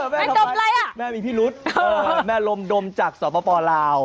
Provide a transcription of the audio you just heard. แม่ดมอะไรอ่ะแม่มีพิรุษแม่ลมดมจากสปลาว